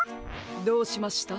どうしました？